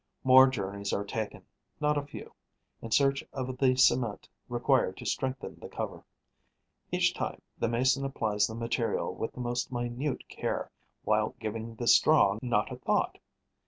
More journeys are taken, not a few, in search of the cement required to strengthen the cover. Each time, the mason applies the material with the most minute care, while giving the straw not a thought.